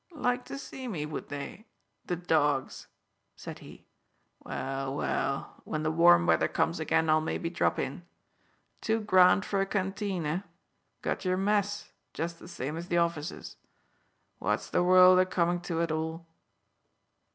"Like to see me, would they? The dogs!" said he. "Well, well, when the warm weather comes again I'll maybe drop in. Too grand for a canteen, eh? Got your mess just the same as the orficers. What's the world a comin' to at all!"